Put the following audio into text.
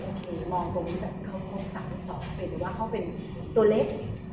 ตอนนี้มองตอบสกจะเป็นว่ามีพวกตองพี่เล็ก